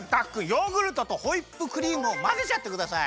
ヨーグルトとホイップクリームをまぜちゃってください！